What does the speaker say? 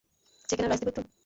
Chicken আর rice দিবো একটু?